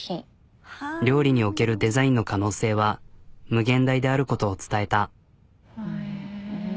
料理におけるデザインの可能性は無限大であることを伝えた。